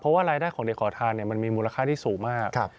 เพราะว่ารายได้ของเด็กขอทานมันมีมูลค่าที่สูงมาก